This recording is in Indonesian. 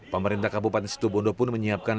pemerintah kabupaten situbondo pun menyiapkan